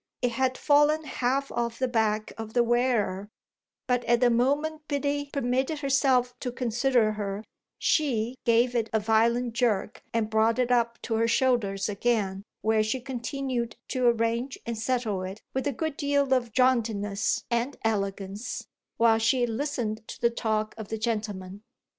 It had fallen half off the back of the wearer, but at the moment Biddy permitted herself to consider her she gave it a violent jerk and brought it up to her shoulders again, where she continued to arrange and settle it, with a good deal of jauntiness and elegance, while she listened to the talk of the gentleman.